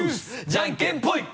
じゃんけんぽい！